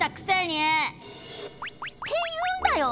って言うんだよ！